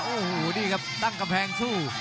โอ้โหนี่ครับตั้งกำแพงสู้